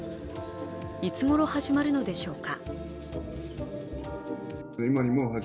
いつごろ始まるのでしょうか。